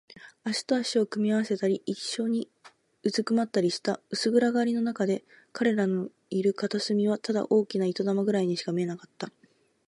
腕と脚とを組み合わせたり、いっしょにうずくまったりした。薄暗がりのなかで、彼らのいる片隅はただ大きな糸玉ぐらいにしか見えなかった。